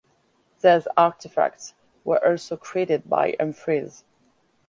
These artifacts were also created by Humphreys.